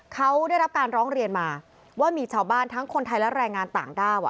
เขาได้รับการร้องเรียนมาว่ามีชาวบ้านทั้งคนไทยและแรงงานต่างด้าว